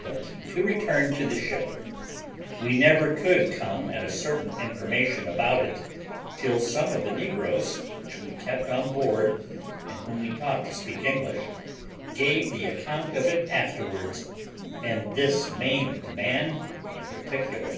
But to return to the ship: we never could come at a certain information about it, till some of the negroes which we kept on board, and whom we taught to speak English, gave the account of it afterwards, and this maimed man in particular.